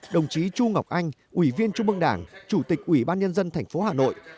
đồng chí chu ngọc anh ủy viên trung mương đảng chủ tịch ủy ban nhân dân thành phố hà nội